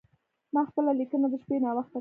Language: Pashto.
ما خپله لیکنه د شپې ناوخته کوله.